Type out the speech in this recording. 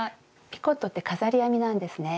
ピコットって飾り編みなんですね。